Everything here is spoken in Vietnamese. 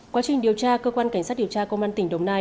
quá trình điều tra cơ quan cảnh sát điều tra công an tỉnh đồng nai